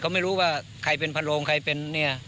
เขาไม่รู้ว่าใครเป็นพันโรงใครเป็น